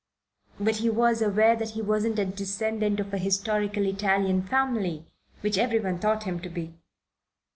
"But he was aware that he wasn't a descendant of a historical Italian family, which everyone thought him to be.